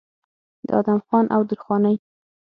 د ادم خان او درخانۍ